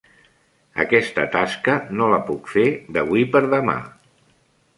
Aquesta tasca no la puc fer d'avui per demà.